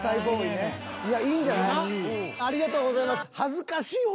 いやいいんじゃない？はははは。